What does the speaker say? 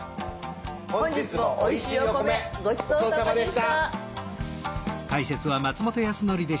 本日もおいしいお米ごちそうさまでした。